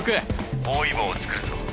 包囲網を作るぞ。